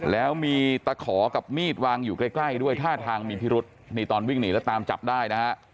แล้วมีตะขอกับมีดวางอยู่ใกล้ใกล้ด้วยท่าทางมีพิรุษนี่ตอนวิ่งหนีแล้วตามจับได้นะฮะ